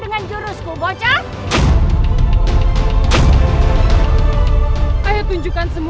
jangan lupa nyalakan senyummu